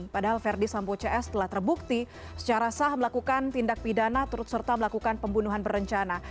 padahal verdi sambo cs telah terbukti secara sah melakukan tindak pidana turut serta melakukan pembunuhan berencana